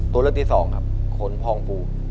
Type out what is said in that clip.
ตัวเลือกที่สองครับขนพองฟู